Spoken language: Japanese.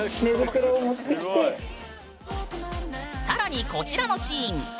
更にこちらのシーン。